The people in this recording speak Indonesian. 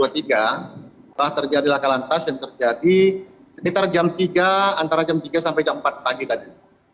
telah terjadi laka lantas yang terjadi sekitar jam tiga antara jam tiga sampai jam empat pagi tadi